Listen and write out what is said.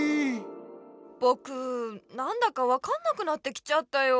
ぼくなんだかわかんなくなってきちゃったよ。